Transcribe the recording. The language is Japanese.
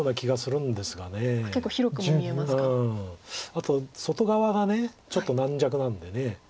あと外側がちょっと軟弱なんで。